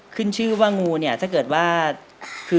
ขึ้นชื่อว่างู